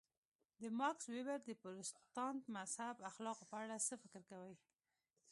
د ماکس وېبر د پروتستانت مذهب اخلاقو په اړه څه فکر کوئ.